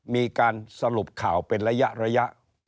มีการสรุปข่าวเป็นระยะ